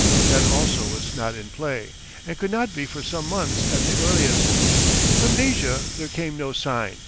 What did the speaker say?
That also was not in play and could not be for some months at the earliest. From Asia there came no sign.